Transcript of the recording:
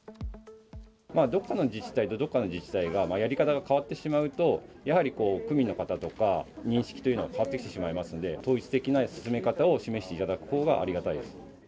どっかの自治体とどっかの自治体がやり方が変わってしまうと、やはりこう、区民の方とか、認識というのが変わってきてしまいますので、統一的な進め方を示していただくほうがありがたいです。